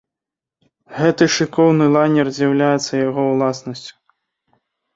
Гэты шыкоўны лайнер з'яўляецца яго ўласнасцю.